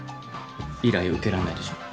依頼受けられないでしょ。